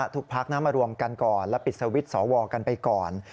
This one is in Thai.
ทุกพักมารวมกันก่อนและปิดสวิตช์สวกันไปก่อน